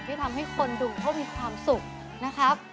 ที่ทำให้คนดูเขามีความสุขนะครับ